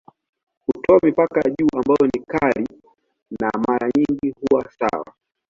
Hutoa mipaka ya juu ambayo ni kali na mara nyingi huwa sawa.